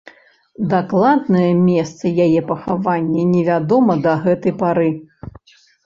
Дакладнае месца яе пахавання невядома да гэтай пары.